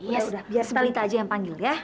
iya biar stelita aja yang panggil ya